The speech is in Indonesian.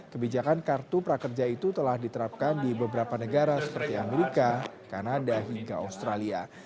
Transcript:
kebijakan kartu prakerja itu telah diterapkan di beberapa negara seperti amerika kanada hingga australia